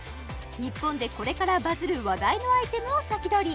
日本でこれからバズる話題のアイテムを先取り！